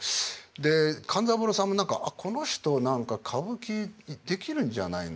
で勘三郎さんも何か「あっこの人何か歌舞伎できるんじゃないの？」